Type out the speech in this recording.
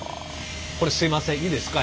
すいませんいいですか？